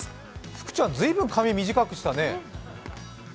福ちゃん随分髪、短くしたね。